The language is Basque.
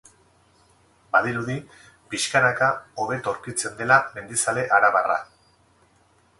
Badirudi, pixkanaka hobeto aurkitzen dela mendizale arabarra.